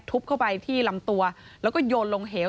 เข้าไปที่ลำตัวแล้วก็โยนลงเหว